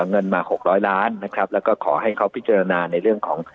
เงินมาหกร้อยล้านนะครับแล้วก็ขอให้เขาพิจารณาในเรื่องของ